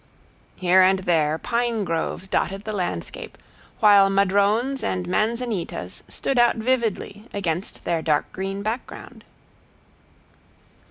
Here and there pine groves dotted the landscape, while madrones and manzanitas stood out vividly against their dark green background.